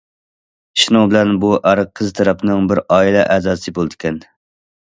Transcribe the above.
شۇنىڭ بىلەن بۇ ئەر قىز تەرەپنىڭ بىر ئائىلە ئەزاسى بولىدىكەن.